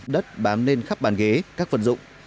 đất bám lên khắp bàn ghế các vật dụng